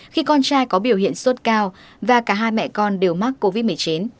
khi con trai có biểu hiện sốt cao và cả hai mẹ con đều mắc covid một mươi chín